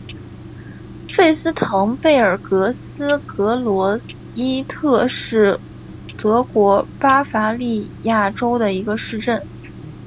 费斯滕贝尔格斯格罗伊特是德国巴伐利亚州的一个市镇。